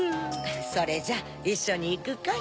それじゃいっしょにいくかい？